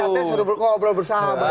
saya katanya sudah berkobrol bersahabat